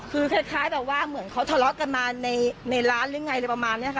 คือคล้ายแบบว่าเหมือนเขาทะเลาะกันมาในร้านหรือไงอะไรประมาณนี้ค่ะ